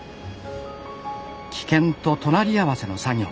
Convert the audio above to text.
危険と隣り合わせの作業。